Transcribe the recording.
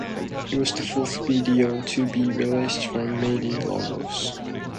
It was the fourth video to be released from "Made in Lagos".